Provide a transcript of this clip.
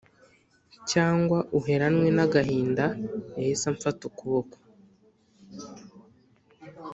cyangwa uheranwe n’agahinda yahise amfata akaboko